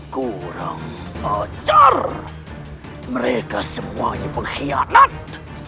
kurang lancar mereka semuanya pengkhianat